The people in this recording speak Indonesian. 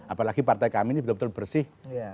apalagi partai kami ini betul betul bersih